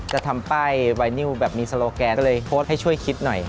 จะทำป้ายไวนิวแบบมีโซโลแกนก็เลยโพสต์ให้ช่วยคิดหน่อย